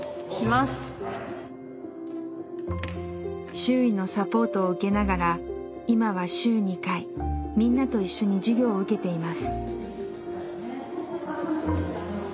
周囲のサポートを受けながら今は週２回みんなと一緒に授業を受けています。